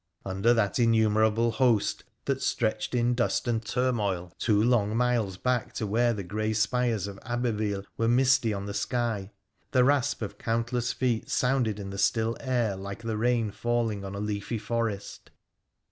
Under that innumerable host, that stretched in dust and turmoil two long miles back to where the grey spires of Abbeville were misty on the sky, the rasp of count less feet sounded in the still air like the rain falling on a leafy forest.